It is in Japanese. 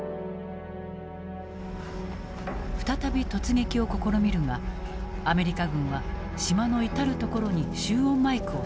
再び突撃を試みるがアメリカ軍は島の至る所に集音マイクを設置。